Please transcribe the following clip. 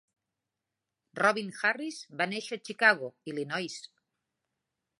Robin Harris va néixer a Chicago, Illinois.